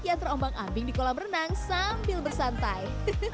yang terombang ambing di kolam renang sambil bersantai